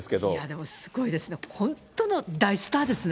でも、すごいですね、本当の大スターですね。